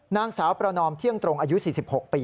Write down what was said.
นางสาวประนอมเที่ยงตรงอายุ๔๖ปี